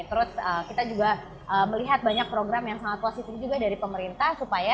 terus kita juga melihat banyak program yang sangat positif juga dari pemerintah